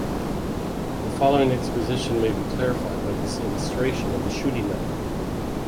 The following exposition may be clarified by this illustration of the shooting method.